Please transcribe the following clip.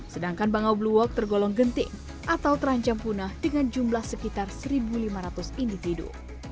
sedangkan bangau blue walk tergolong genting atau terancam punah dengan jumlah sekitar satu lima ratus individu